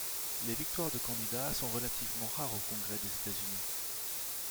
Les victoires de candidats ' sont relativement rares au Congrès des États-Unis.